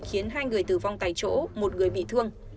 khiến hai người tử vong tại chỗ một người bị thương